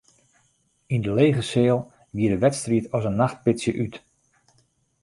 Yn de lege seal gie de wedstriid as in nachtpitsje út.